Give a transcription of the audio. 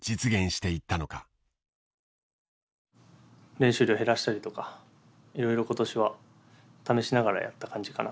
練習量を減らしたりとかいろいろ今年は試しながらやった感じかなと思います。